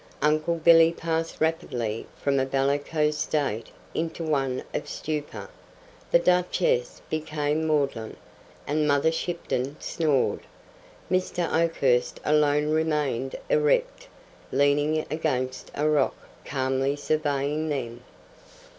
Uncle Billy passed rapidly from a bellicose state into one of stupor, the Duchess became maudlin, and Mother Shipton snored. Mr. Oakhurst alone remained erect, leaning against a rock, calmly surveying them.